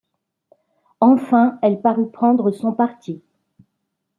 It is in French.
Enfin elle parut prendre son parti.